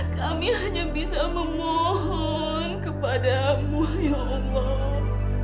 kami hanya bisa memohon kepadamu ya allah